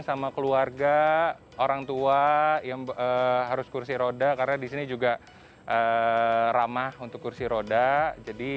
sama keluarga orang tua yang harus kursi roda karena disini juga ramah untuk kursi roda jadi